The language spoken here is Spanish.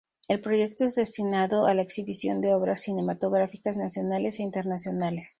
El proyecto es destinado a la exhibición de obras cinematográficas nacionales e internacionales.